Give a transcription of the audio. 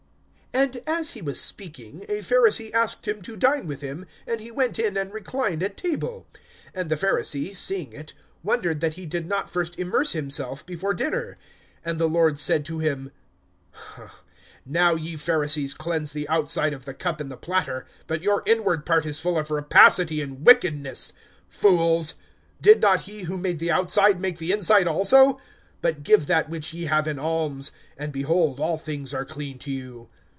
(37)And as he was speaking, a Pharisee asked him to dine with him and he went in, and reclined at table. (38)And the Pharisee, seeing it, wondered that he did not first immerse himself before dinner. (39)And the Lord said to him: Now ye Pharisees cleanse the outside of the cup and the platter; but your inward part is full of rapacity and wickedness. (40)Fools! Did not he, who made the outside, make the inside also? (41)But give that which ye have in alms[11:41]; and, behold, all things are clean to you.